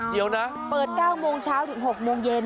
เดี๋ยวนะเปิด๙โมงเช้าถึง๖โมงเย็น